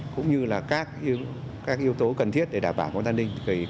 cũng như các yếu tố cần thiết để đảm bảo con thân linh